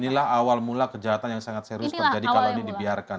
inilah awal mula kejahatan yang sangat serius terjadi kalau ini dibiarkan